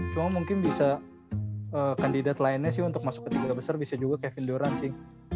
cuma mungkin bisa kandidat lainnya sih untuk masuk ke tiga besar bisa juga kevindoran sih